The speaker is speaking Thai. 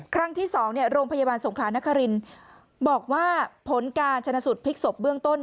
ครั้งที่๒โรงพยาบาลสงครานครินบอกว่าผลการชนะสูตรพลิกศพเบื้องต้น